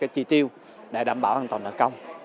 chi tiêu để đảm bảo an toàn nợ công